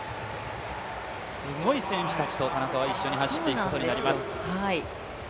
すごい選手たちと田中は一緒に走っていくことになります。